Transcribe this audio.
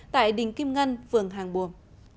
tại đình kim ngân vườn hàng buồm